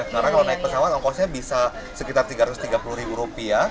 karena kalau naik pesawat ongkosnya bisa sekitar tiga ratus tiga puluh rupiah